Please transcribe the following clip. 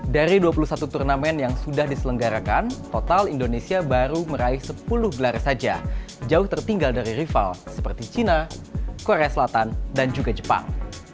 dari dua puluh satu turnamen yang sudah diselenggarakan total indonesia baru meraih sepuluh gelar saja jauh tertinggal dari rival seperti china korea selatan dan juga jepang